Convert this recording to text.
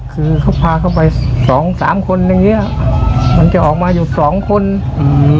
คือเขาพาเขาไปสองสามคนอย่างเงี้ยมันจะออกมาอยู่สองคนอืม